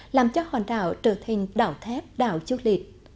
làm cho hòn đảo trở thành đảo thép đảo chốt lịt